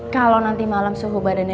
kalau nanti malam suhu badannya